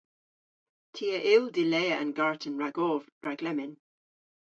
Ty a yll dilea an garten ragov rag lemmyn.